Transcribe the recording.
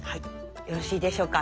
よろしいでしょうか？